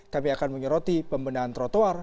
kami akan menyeroti pembinaan trotoar